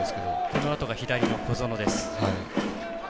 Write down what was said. このあとが左の小園です。